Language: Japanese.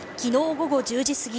午後１０時過ぎ